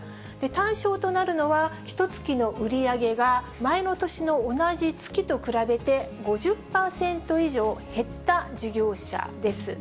対象となるのは、ひとつきの売り上げが、前の年の同じ月と比べて５０％以上減った事業者です。